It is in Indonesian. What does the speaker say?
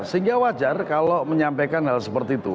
sehingga wajar kalau menyampaikan hal seperti itu